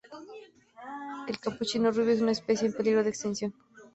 El capuchino rubio es una especie en peligro de extinción.